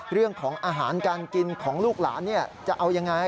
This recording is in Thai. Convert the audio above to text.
เรื่องของอาหารการกินของลูกหลานจะเอายังไง